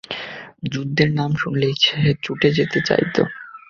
যুদ্ধের নাম শুনলেই সে ছুটে যেতে চাইত।